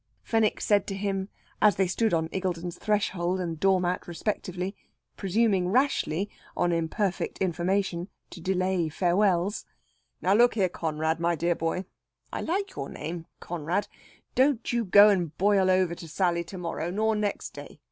Fenwick said to him, as they stood on Iggulden's threshold and doormat respectively presuming rashly, on imperfect information, to delay farewells "Now look here, Conrad, my dear boy (I like your name Conrad), don't you go and boil over to Sally to morrow, nor next day.